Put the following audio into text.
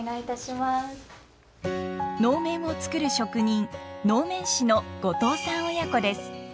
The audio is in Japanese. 能面を作る職人能面師の後藤さん親子です。